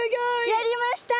やりました！